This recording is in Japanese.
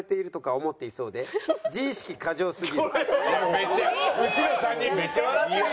めっちゃ後ろ３人めっちゃ笑ってるやん。